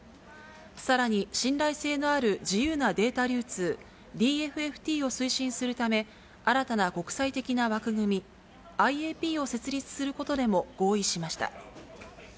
さらに信頼性のある自由なデータ流通、ＤＦＦＴを推進するため、新たな国際的な枠組み、ＩＡＰを設立することでも合意しました。